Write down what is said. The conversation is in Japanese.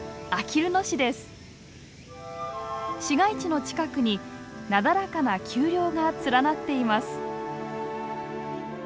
市街地の近くになだらかな丘陵が連なっています。